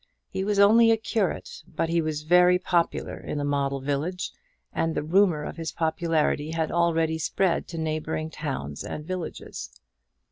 He was only a curate; but he was very popular in the model village, and the rumour of his popularity had already spread to neighbouring towns and villages.